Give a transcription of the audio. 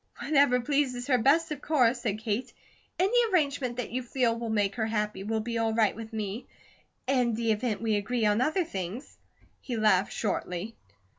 "Whatever pleases her best, of course," said Kate. "Any arrangement that you feel will make her happy, will be all right with me; in the event we agree on other things." He laughed, shortly.